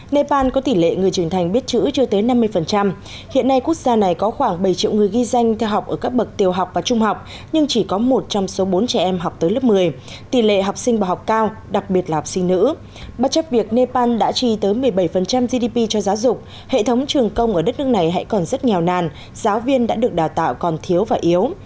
nó có thể dùng một mươi bảy gdp cho giáo dục hệ thống trường công ở đất nước này hãy còn rất nghèo nàn giáo viên đã được đào tạo còn thiếu và yếu